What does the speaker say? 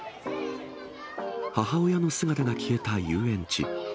母親の姿が消えた遊園地。